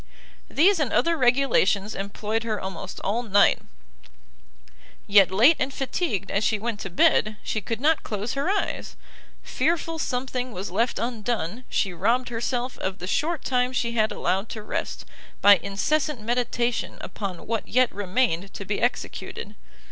These and other regulations employed her almost all night; yet late and fatigued as she went to bed, she could not close her eyes: fearful something was left undone, she robbed herself of the short time she had allowed to rest, by incessant meditation upon what yet remained to be executed.